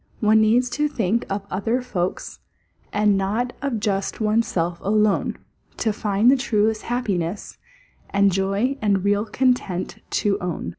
One needs to think of other folks, And not of just one's self alone, To find the truest happiness, And joy and real content to own.